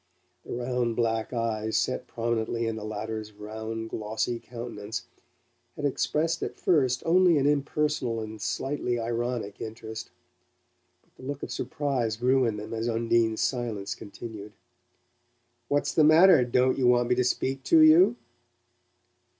The round black eyes set prominently in the latter's round glossy countenance had expressed at first only an impersonal and slightly ironic interest; but a look of surprise grew in them as Undine's silence continued. "What's the matter? Don't you want me to speak to you?"